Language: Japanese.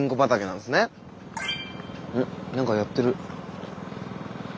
んっ何かやってる。